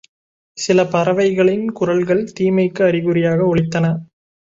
சில பறவைகளின் குரல்கள் தீமைக்கு அறிகுறியாக ஒலித்தன.